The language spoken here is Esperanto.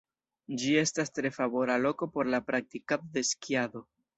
Ĝi estas tre favora loko por la praktikado de skiado.